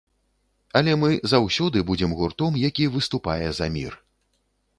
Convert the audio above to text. Але мы заўсёды будзем гуртом, які выступае за мір.